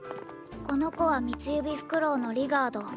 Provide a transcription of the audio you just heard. この子はミツユビフクロウのリガード。